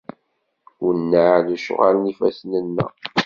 Wenneɛ lecɣal n yifassen-nneɣ.